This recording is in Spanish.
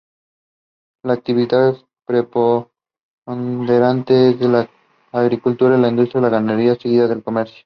La actividad preponderante es la agricultura y la industria ganadera, seguida por el comercio.